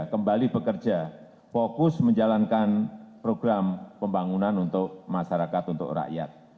kembali bekerja fokus menjalankan program pembangunan untuk masyarakat untuk rakyat